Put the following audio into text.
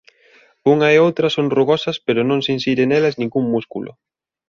Unha e outra son rugosas pero non se insire nelas ningún músculo.